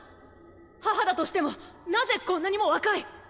母だとしても何故こんなにも若い！？